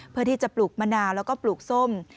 เพื่อที่จะปลูกมะนาวแล้วก็ปลูกส้ม